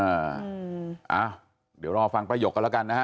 อ้าวเดี๋ยวรอฟังประหยกกันแล้วกันนะฮะ